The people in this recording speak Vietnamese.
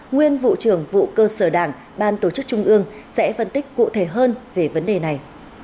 nguyên vụ trưởng vụ cơ sở đảng ban tổ chức trung ương sẽ phân tích cụ thể hơn về vấn đề này